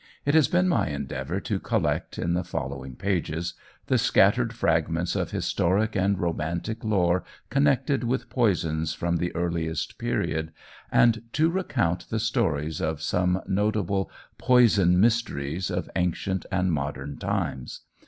It has been my endeavour to collect, in the following pages, the scattered fragments of historic and romantic lore connected with poisons from the earliest period, and to recount the stories of some notable "poison mysteries" of ancient and modern times.